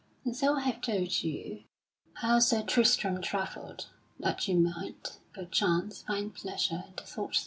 And so I have told to you how Sir Tristram travelled, that you might, perchance, find pleasure in the thought thereof.